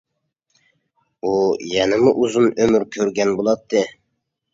ئۇ يەنىمۇ ئۇزۇن ئۆمۈر كۆرگەن بولاتتى.